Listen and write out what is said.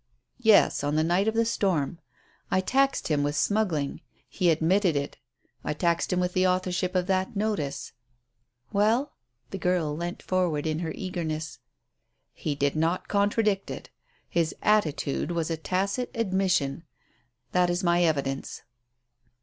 "Yes, on the night of the storm. I taxed him with smuggling. He admitted it. I taxed him with the authorship of that notice " "Well?" The girl leant forward in her eagerness. "He did not contradict it. His attitude was a tacit admission. That is my evidence."